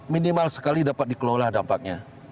minimal sekali dapat dikelola dampaknya